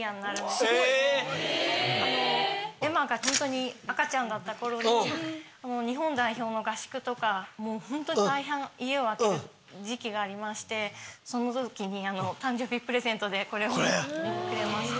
愛真がホントに赤ちゃんだった頃に日本代表の合宿とかホントに大半家を空ける時期がありましてその時に誕生日プレゼントでこれをくれました。